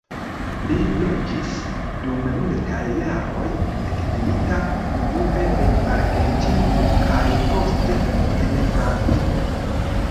Li loĝis dum multaj jaroj ekzilita, unue en Argentino kaj poste en Francio.